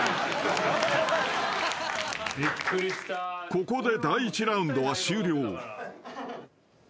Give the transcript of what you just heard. ［ここで］